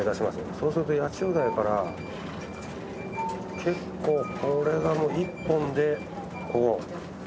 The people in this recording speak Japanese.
そうすると八千代台から結構これがもう一本でここ。